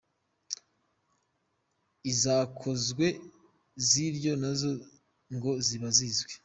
Izakozwe ziryo nazo ngo ziba zizwi.